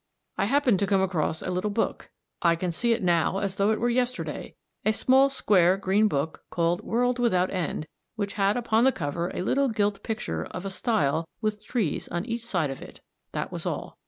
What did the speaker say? I happened to come across a little book I can see it now as though it were yesterday a small square green book called World without End, which had upon the cover a little gilt picture of a stile with trees on each side of it. That was all.